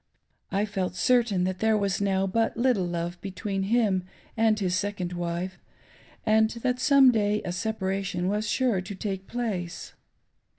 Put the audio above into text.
I felt certain that there was now but little love between him and his second wife, and that some day a separation was sure to take place.